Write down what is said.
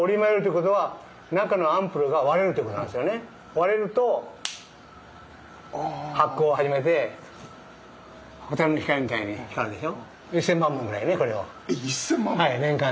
割れると発光を始めて蛍の光みたいに光るでしょ？